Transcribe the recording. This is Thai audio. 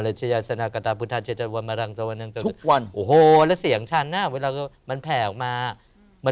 เลยทุกวันโอ้โหแล้วเสียงฉันน่ะเวลาก็มันแผ่ออกมามัน